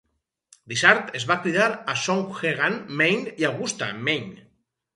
Dysart es va criar a Skowhegan, Maine i Augusta, Maine.